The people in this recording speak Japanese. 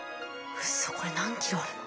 うそこれ何キロあるの？